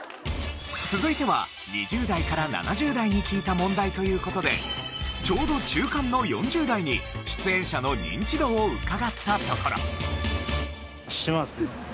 続いては２０代から７０代に聞いた問題という事でちょうど中間の４０代に出演者のニンチドを伺ったところ。